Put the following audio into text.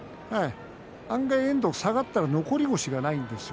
案外、遠藤下がったら残り腰がないんですよ。